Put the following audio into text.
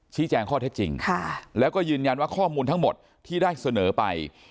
แจ้งข้อเท็จจริงแล้วก็ยืนยันว่าข้อมูลทั้งหมดที่ได้เสนอไป